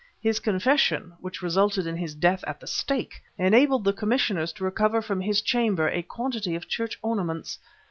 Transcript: His confession which resulted in his death at the stake! enabled the commissioners to recover from his chamber a quantity of church ornaments.